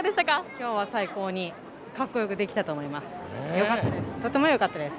今日は最高にかっこよくできたと思います。